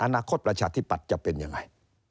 อนาคตประชาธิปัตย์จะเป็นยังไง